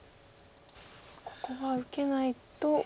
ここは受けないと大きい？